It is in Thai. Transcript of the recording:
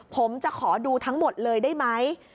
ผมจะขอดูทั้งหมดเลยได้ไหม